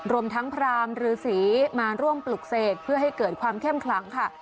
รวมทั้งพรามฤษีมาร่วมปลุกเสกเพื่อให้เกิดความเข้มขลังค่ะ